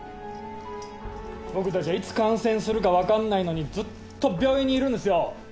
僕たちはいつ感染するかわかんないのにずっと病院にいるんですよ。